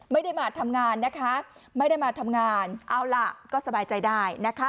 ไม่ได้มาทำงานนะคะไม่ได้มาทำงานเอาล่ะก็สบายใจได้นะคะ